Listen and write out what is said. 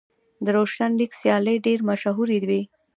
د روشن لیګ سیالۍ ډېرې مشهورې وې.